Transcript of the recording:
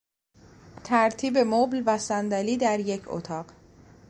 ترتیب مبل و صندلی در یک اتاق